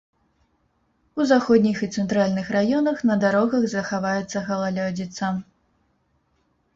У заходніх і цэнтральных раёнах на дарогах захаваецца галалёдзіца.